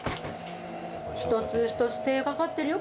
一つ一つ手掛かってるよ